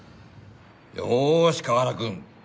よーし河原くん。